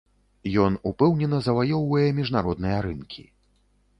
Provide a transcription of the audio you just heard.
Ён упэўнена заваёўвае міжнародныя рынкі.